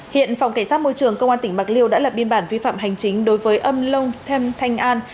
hiện phòng cảnh sát môi trường công an tỉnh bạc liêu đã lập biên bản vi phạm hành chính đối với ông lông thêm thanh an